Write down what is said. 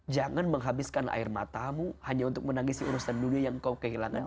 jangan menghabiskan air matamu hanya untuk menangis diurusan dunia yang kau kehilangannya